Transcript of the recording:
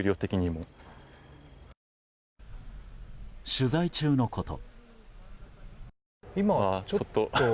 取材中のこと。